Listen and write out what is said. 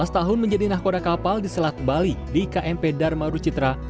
lima belas tahun menjadi nahkoda kapal di selat bali di kmp dharma rucitra